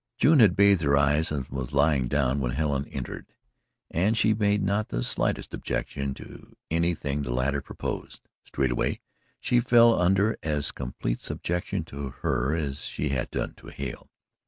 June had bathed her eyes and was lying down when Helen entered, and she made not the slightest objection to anything the latter proposed. Straightway she fell under as complete subjection to her as she had done to Hale.